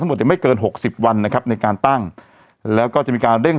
หมดจะไม่เกินหกสิบวันนะครับในการตั้งแล้วก็จะมีการเร่ง